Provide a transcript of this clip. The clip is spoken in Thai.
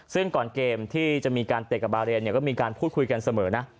ซึ่งก่อนเกมที่จะมีการเตะกับบาเรนก็มีการพูดคุยกันเสมอนะ